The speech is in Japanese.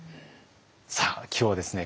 さあ今日はですね